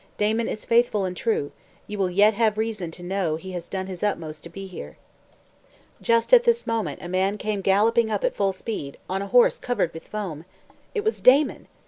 Damon is faithful and true; you will yet have reason to know that he has done his utmost to be here!" Just at this moment a man came galloping up at full speed, on a horse covered with foam! It was Damon.